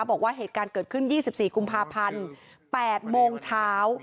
บอกว่าเหตุการณ์เกิดขึ้น๒๔กุมภาพันธ์๘โมงเช้า